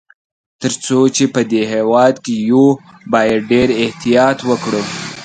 تر څو چي په دې هیواد کي یو، باید ډېر احتیاط وکړو.